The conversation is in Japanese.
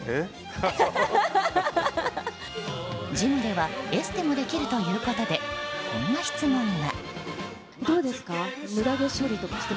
ジムではエステもできるということでこんな質問が。